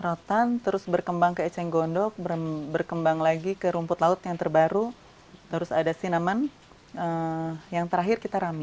rotan terus berkembang ke eceng gondok berkembang lagi ke rumput laut yang terbaru terus ada sinaman yang terakhir kita rame